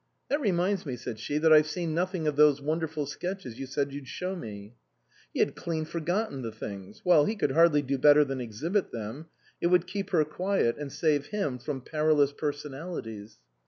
" That reminds me," said she, " that I've seen nothing of those wonderful sketches you said you'd show me." He had clean forgotten the things. Well, he could hardly do better than exhibit them ; it would keep her quiet, and save him from peri lous personalities.